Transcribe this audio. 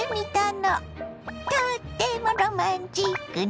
とってもロマンチックね。